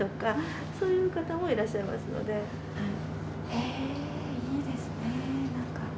へえいいですね何か。